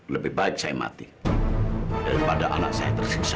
lebih baik saya mati daripada anak saya tersiksa